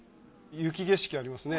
雪景色ありますね。